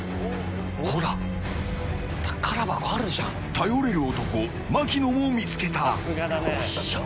頼れる男、槙野も見つけた。